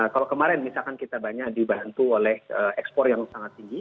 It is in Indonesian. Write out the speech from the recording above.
kalau kemarin misalkan kita banyak dibantu oleh ekspor yang sangat tinggi